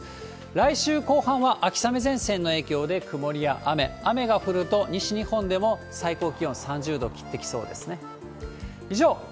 来週後半は、秋雨前線の影響で曇りや雨、雨が降ると、西日本でも最高気温３０度を切ってきそうですね。